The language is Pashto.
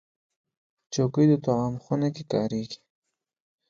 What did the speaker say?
چوکۍ د طعام خونو کې کارېږي.